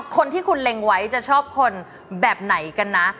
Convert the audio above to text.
คนที่คุณเล็งไว้จะชอบคนแบบไหนกันนะ